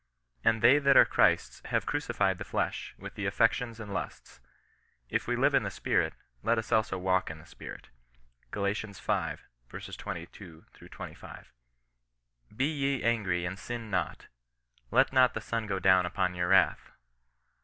And they that are Christ's have crucified the flesh, with the affections and lusts. If we live in the Spirit, let us also walk in the Spirit." Gal. V. 22 — 25. " Be ye angry and sin not ; let not the sun go down upon your wrath."